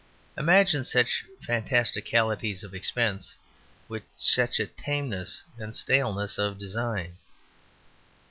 Imagine such fantasticalities of expense with such a tameness and staleness of design.